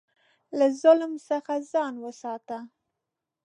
له ظلم څخه ځان وساته.